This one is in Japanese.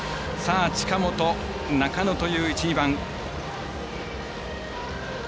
近本、中野という１、２番。